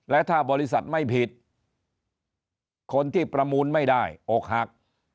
และถ้าบริษัทไม่ผิดคนที่ประมูลไม่ได้อกหัก